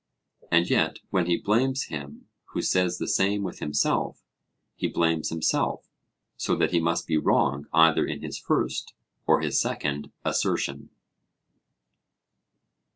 And yet when he blames him who says the same with himself, he blames himself; so that he must be wrong either in his first or his second assertion.